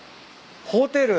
ホテル。